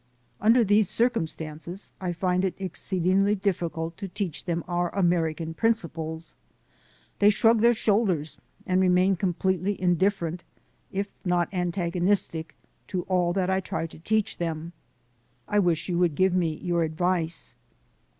Under these circumstances I find it exceedingly difficult to teach them our American principles. They shrug their shoulders and remain completely indifferent, if not antagonistic, to all that I try to teach them. I wish you would give me your advice."